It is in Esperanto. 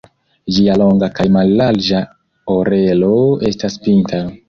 Ĝia longa kaj mallarĝa orelo estas pinta.